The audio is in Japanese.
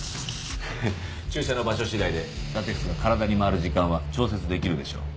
ハハッ注射の場所次第でラテックスが体に回る時間は調節できるでしょう。